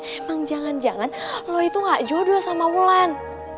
emang jangan jangan lo itu gak jodoh sama wulan